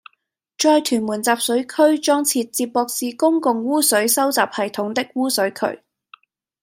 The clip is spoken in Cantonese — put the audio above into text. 在屯門集水區裝設接駁至公共污水收集系統的污水渠